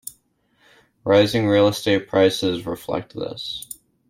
Rising real estate prices reflect this.